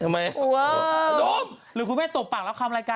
มีโปรเจกต์อะไรพิเศษหรือเปล่าคะ